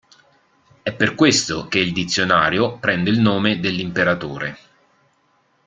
È per questo che il dizionario prende il nome dell'imperatore.